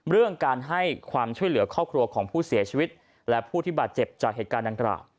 เรื่องการให้ความช่วยเหลือครอบครัวของผู้เสียชีวิตและผู้ที่บาดเจ็บจากเหตุการณ์ดังกล่าว